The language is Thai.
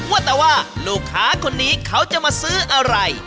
ว่าแต่ว่าลูกค้าคนนี้เขาจะมาซื้ออะไร